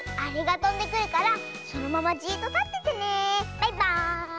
バイバーイ。